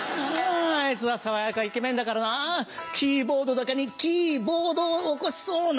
あいつは爽やかイケメンだからなキーボードだけにキボウドウを起こしそう！